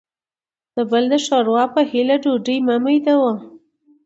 دبل دشوروا په هیله ډوډۍ مه وړه وه